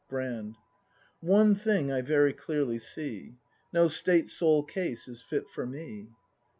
Brand. One thing I very clearly see: No State Soul case is fit for me.